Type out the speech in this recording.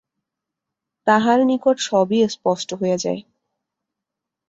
তাঁহার নিকট সবই স্পষ্ট হইয়া যায়।